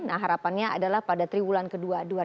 nah harapannya adalah pada triwulan ke dua